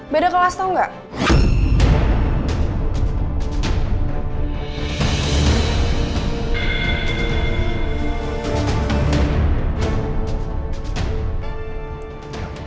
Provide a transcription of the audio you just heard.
beda kelas tau gak